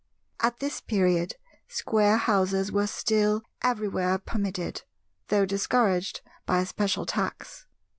At this period, square houses were still everywhere permitted, though discouraged by a special tax.